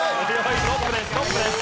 トップです。